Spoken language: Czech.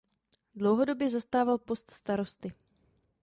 Dlouhodobě zastával post starosty.